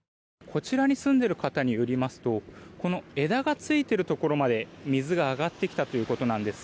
こちらに住んでいる方によりますとこの枝がついているところまで水が上がってきたということなんです。